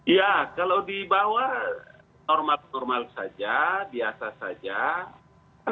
ya kalau di bawah normal normal saja biasa saja